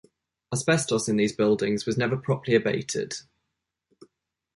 Asbestos in these buildings was never properly abated.